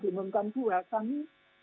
diumumkan dua kami